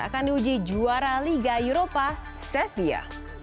akan diuji juara liga eropa servia